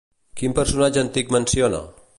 Quin personatge antic menciona?